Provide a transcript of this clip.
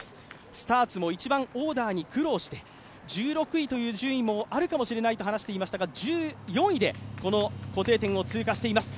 スターツもオーダーに苦労して１６位という順位もあるかもしれないという話していましたが１４位でこの固定点を通過しています。